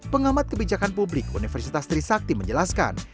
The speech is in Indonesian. pengamat kebijakan publik universitas trisakti menjelaskan